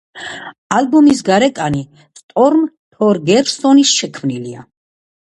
ალბომის გარეკანი სტორმ თორგერსონის შექმნილია.